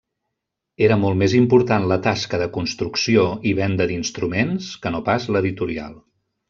Era molt més important la tasca de construcció i venda d'instruments que no pas l'editorial.